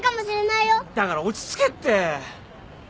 だから落ち着けって。